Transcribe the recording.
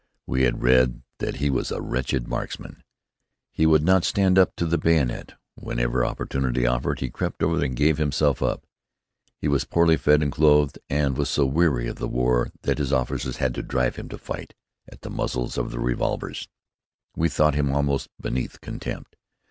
We had read that he was a wretched marksman: he would not stand up to the bayonet: whenever opportunity offered he crept over and gave himself up: he was poorly fed and clothed and was so weary of the war that his officers had to drive him to fight, at the muzzles of their revolvers. We thought him almost beneath contempt.